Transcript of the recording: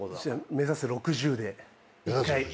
目指せ６０で１回。